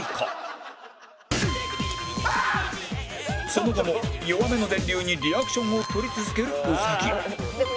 その後も弱めの電流にリアクションを取り続ける兎